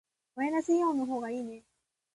マイナスイオンの方がいいね。